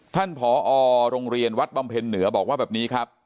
ผอโรงเรียนวัดบำเพ็ญเหนือบอกว่าแบบนี้ครับ